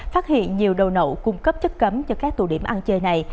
phát hiện nhiều đầu nậu cung cấp chất cấm cho các tù điểm ăn chơi này